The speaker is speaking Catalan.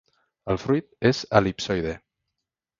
El fruit és el·lipsoide.